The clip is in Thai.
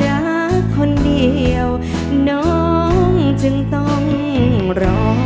รักคนเดียวน้องจึงต้องร้อง